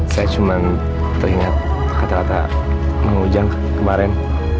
saya cuma teringat kata kata menghujan kemarin